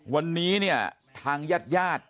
วันนี้เนี่ยทางญาติ